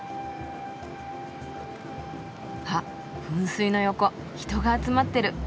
あっ噴水の横人が集まってる。